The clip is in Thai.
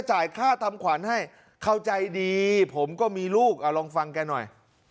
จ่ายค่าทำขวัญให้เข้าใจดีผมก็มีลูกเอาลองฟังแกหน่อย